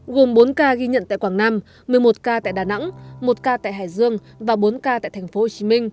gồm bốn ca ghi nhận tại quảng nam một mươi một ca tại đà nẵng một ca tại hải dương và bốn ca tại tp hcm